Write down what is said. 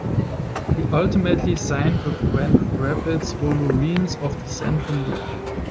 He ultimately signed with Grand Rapids Wolverines of the Central League.